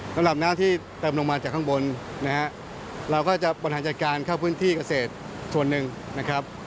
สำหรับน้ำที่เติมลงมาจากข้างบนนะฮะเราก็จะบริหารจัดการเข้าพื้นที่เกษตรส่วนหนึ่งนะครับ